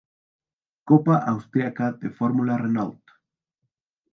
Copa Austriaca de Fórmula Renault